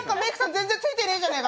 全然ついてねえじゃねえか。